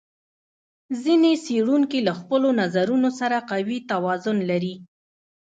ځینې څېړونکي له خپلو نظرونو سره قوي توازن لري.